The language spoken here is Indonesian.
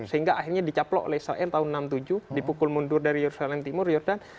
sehingga akhirnya dicaplok oleh israel tahun seribu sembilan ratus tujuh dipukul mundur dari yerusalem timur jordan